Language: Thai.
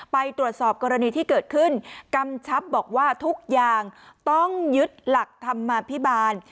ไปตรวจสอบกรณีที่เกิดขึ้นกำชับบอกว่าทุกอย่างต้องยึดหลักธรรมาภิบาล